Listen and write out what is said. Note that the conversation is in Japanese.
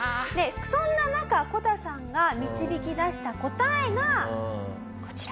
そんな中こたさんが導き出した答えがこちら。